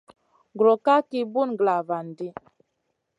Gro ka ki bùn glavandi.